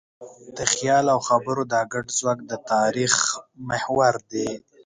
د خیال او خبرو دا ګډ ځواک د تاریخ محور دی.